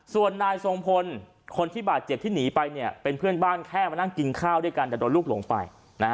ส่วนนายทรงพลคนที่บาดเจ็บที่หนีไปเป็นเพื่อนบ้านแค่มานั่งกินข้าวด้วยกันแต่โดนลูกหลงไป